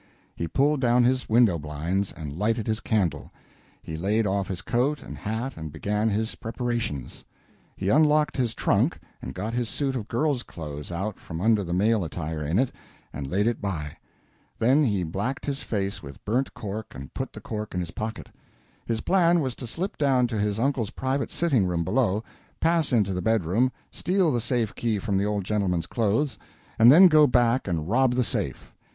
He pulled down his window blinds and lighted his candle. He laid off his coat and hat and began his preparations. He unlocked his trunk and got his suit of girl's clothes out from under the male attire in it, and laid it by. Then he blacked his face with burnt cork and put the cork in his pocket. His plan was, to slip down to his uncle's private sitting room below, pass into the bedroom, steal the safe key from the old gentleman's clothes, and then go back and rob the safe.